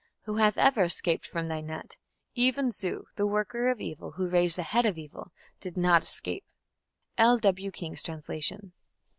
Who hath ever escaped from thy net? Even Zu, the worker of evil, who raised the head of evil [did not escape]! _L.W. King's Translation.